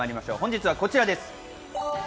本日はこちらです。